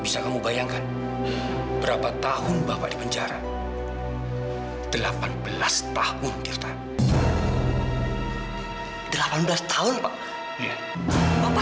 sampai jumpa di video selanjutnya